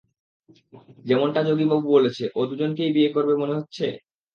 যেমনটা যোগীবাবু বলেছে, ও দুজনকেই বিয়ে করবে মনে হচ্ছে?